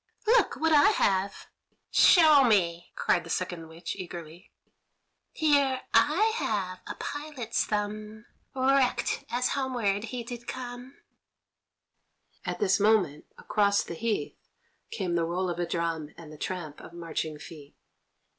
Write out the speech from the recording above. Look what I have." "Show me, show me!" cried the second witch eagerly. "Here I have a pilot's thumb, Wrecked as homeward he did come." At this moment across the heath came the roll of a drum and the tramp of marching feet.